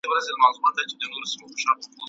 ¬ چي اوښ ولاړی، مهار ئې زه څه کوم؟